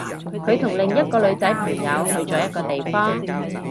佢同另一個女仔朋友去咗一個地方